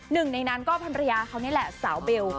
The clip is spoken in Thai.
หนึ่งในนั้นก็ภรรยาเขานี่แหละสาวเบล